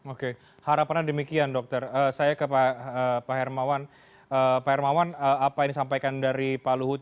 oke harapannya demikian dokter saya ke pak hermawan pak hermawan apa yang disampaikan dari pak luhut